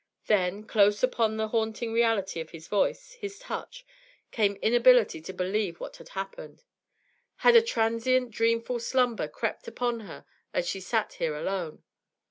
Then, close upon the haunting reality of his voice, his touch, came inability to believe what had happened. Had a transient dreamful slumber crept upon her as she sat here alone?